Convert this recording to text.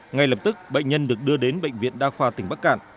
ngay lập tức bệnh nhân được đưa đến bệnh viện đa khoa tỉnh bắc cạn